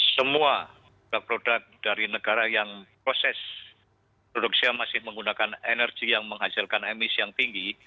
semua produk dari negara yang proses produksinya masih menggunakan energi yang menghasilkan emisi yang tinggi